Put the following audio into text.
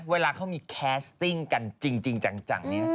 เมื่อเขามีแคสตชิงกันจริงแจ่งนี้